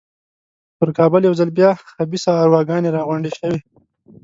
پر کابل یو ځل بیا خبیثه ارواګانې را غونډې شوې.